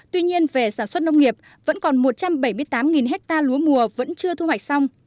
tuy nhiên về sản xuất nông nghiệp vẫn còn một trăm bảy mươi tám ha lúa mùa vẫn chưa thu hoạch xong